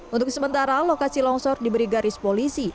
untuk sementara lokasi longsor diberi garis polisi